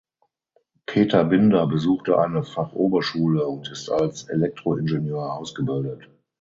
Peter Binder besuchte eine Fachoberschule und ist als Elektroingenieur ausgebildet.